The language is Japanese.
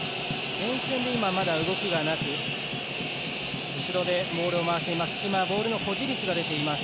前線で動きはなく後ろでボールを回しています。